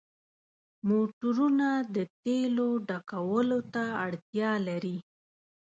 موټرونه د تیلو ډکولو ته اړتیا لري.